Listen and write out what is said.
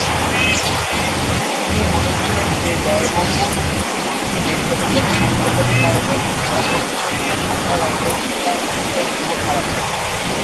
তিনি বলেছিলেন যে ব্যয়বহুল একটি বেসরকারী হাসপাতালে চালানো একটি অপ্রাপ্তবয়স্ক ও সাধারণ অপারেশনের কারণে তিনি তার জীবন হারান।